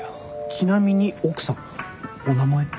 ちなみに奥さんお名前って？